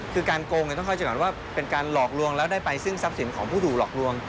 คือการโกงต้องเข้าใจก่อนว่าเป็นการหลอกลวงแล้วได้ไปซึ่งทรัพย์สินของผู้ถูกหลอกลวง